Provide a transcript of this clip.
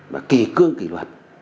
và kỳ cương kỳ luật